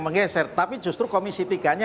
menggeser tapi justru komisi tiga nya